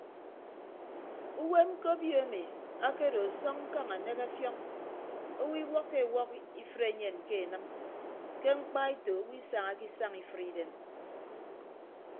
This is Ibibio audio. Uwem ke obio emi akedo asọñ ñkañ anek ọfiọñ owo iwọkkọ ewọk ifre enyen ke enịm ke mkpaeto owo isañake isañ ifre idem.